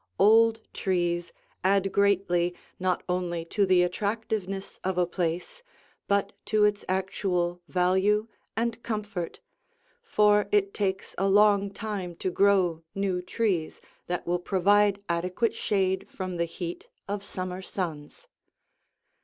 Old trees add greatly not only to the attractiveness of a place but to its actual value and comfort, for it takes a long time to grow new trees that will provide adequate shade from the heat of summer suns.